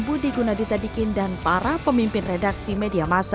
budi gunadisadikin dan para pemimpin redaksi media masa